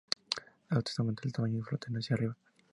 Estas aumentan de tamaño y flotan hacia arriba.